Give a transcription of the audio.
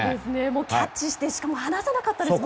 キャッチしてしかも離さなかったですから。